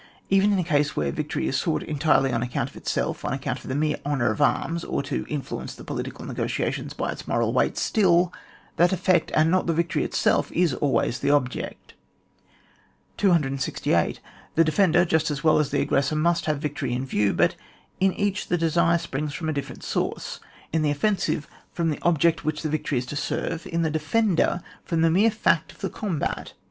Even in a case where victory is sought entirely on account of itself, on account of the mere honour of arms, or to influence political negotia tions by its moral weight, still, that efiPect, and not the victory itself, is always the object. 268. The defender, just as well as the aggpressor, must have victory in view, but in each the desire springy from a different source ; in the offensive from the object which the victory is to serve ; in the de fender, from the mere fact of the combat.